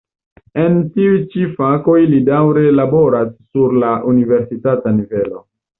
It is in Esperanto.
En tiuj ĉi fakoj li daŭre laboras sur la universitata nivelo.